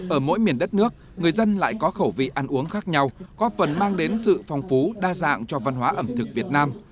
ở mỗi miền đất nước người dân lại có khẩu vị ăn uống khác nhau có phần mang đến sự phong phú đa dạng cho văn hóa ẩm thực việt nam